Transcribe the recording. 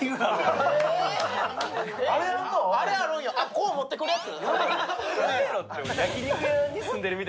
こう持ってくるやつ？